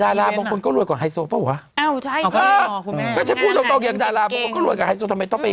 แฮดราก็ไม่ได้จนหรือแหละวันที่เนี้ย